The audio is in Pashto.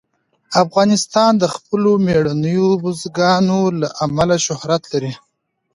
افغانستان د خپلو مېړنیو بزګانو له امله شهرت لري.